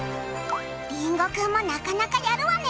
りんごくんもなかなかやるわね。